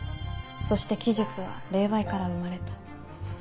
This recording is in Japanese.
そして奇術は霊媒から生まれた。